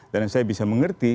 dan saya bisa mengerti